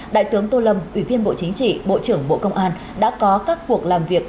đại tướng tô lâm ủy viên bộ chính trị bộ trưởng bộ công an đã có các cuộc làm việc